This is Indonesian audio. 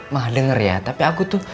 mah denger ya tapi aku tuh